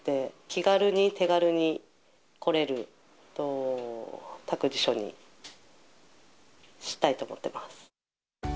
気軽に、手軽に来れる託児所にしたいと思ってます。